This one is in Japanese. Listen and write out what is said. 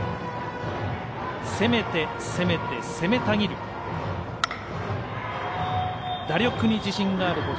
攻めて、攻めて攻めたぎる。